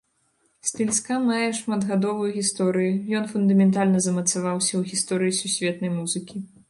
Стыль ска мае шматгадовую гісторыю, ён фундаментальна замацаваўся ў гісторыі сусветнай музыкі.